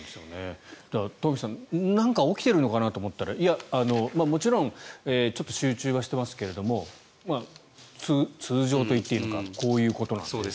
東輝さん何か起きてるのかなと思ったらもちろんちょっと集中はしてますけども通常と言っていいのかこういうことなんですと。